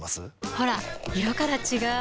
ほら色から違う！